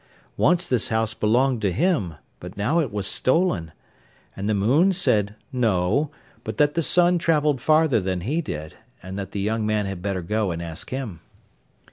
Once this house belonged to him, but now it was stolen. And the moon said no, but that the sun travelled farther than he did, and that the young man had better go and ask him.